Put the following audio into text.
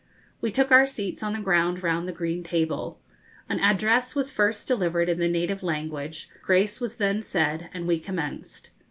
We took our seats on the ground round the green table. An address was first delivered in the native language, grace was then said, and we commenced.